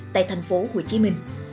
tại thành phố hồ chí minh